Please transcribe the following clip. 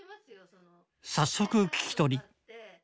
早速聞き取り。